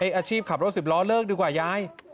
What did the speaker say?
อาชีพขับรถสิบล้อเลิกดีกว่ายาย